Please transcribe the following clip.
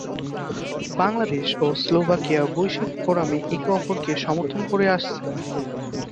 বাংলাদেশ ও স্লোভাকিয়া বৈশ্বিক ফোরামে একে অপরকে সমর্থন করে আসছে।